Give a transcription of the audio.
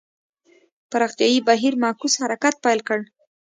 پراختیايي بهیر معکوس حرکت پیل کړ.